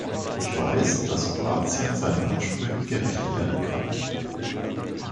Ich weiß, dass Kroatien seinen Ansprüchen gerecht werden kann.